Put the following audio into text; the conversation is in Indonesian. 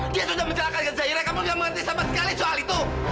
dia sudah mencelakakan zairah kamu nggak mengerti sama sekali soal itu